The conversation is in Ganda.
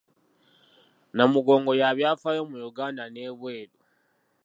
Namugongo ya byafaayo mu Yuganda n’ebweru.